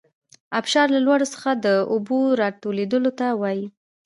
ابشار له لوړو څخه د اوبو راتویدلو ته وايي.